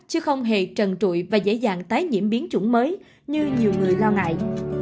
chứ không hề trần trụi và dễ dàng tái nhiễm biến chủng mới như nhiều người lo ngại